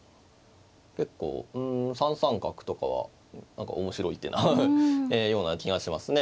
結構３三角とかは何か面白い手なような気がしますね。